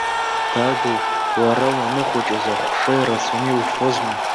Даду, уара уаныхәыҷыз ахәша рацәаны иуфозма?